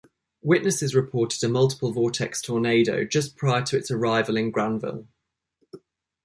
Witnesses reported a multiple vortex tornado just prior to its arrival in Granville.